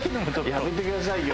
やめてくださいよ